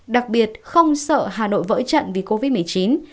đặc biệt không sợ hà nội vỡ trận vì covid một mươi chín